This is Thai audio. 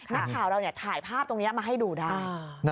นักข่าวเราถ่ายภาพตรงนี้มาให้ดูได้